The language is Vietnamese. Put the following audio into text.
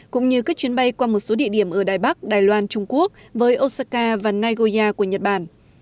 cũng như các chuyến bay qua một số địa điểm ở đài bắc đài loan trung quốc với osaka và nagoya của nhật bản